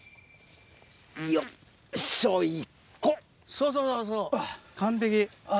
そうそうそうそう！